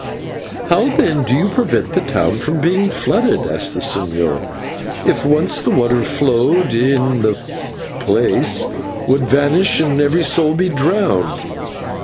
"How, then, do you prevent the town from being flooded?" asked the señor. "If once the water flowed in, the place would vanish and every soul be drowned."